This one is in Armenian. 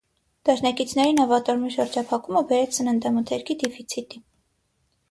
Դաշնակիցների նավատորմի շրջափակումը բերեց սննդամթերքի դիֆիցիտի։